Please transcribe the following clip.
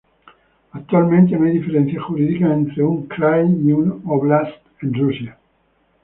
Actualmente no hay diferencias jurídicas entre un "krai" y una "óblast" en Rusia.